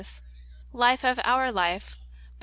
Life of Our Life, by Pr.